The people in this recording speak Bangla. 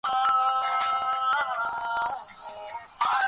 আমি মোটেও তাদের মত হতে চাই না।